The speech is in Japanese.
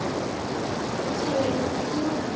白１の八。